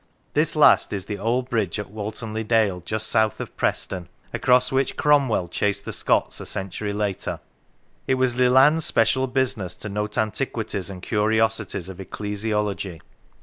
This last is the old bridge at Walton le Dale just south of Preston, across which Cromwell chased the Scots a century later. It was Leland's special business to note antiquities and curiosities of ecclesiology.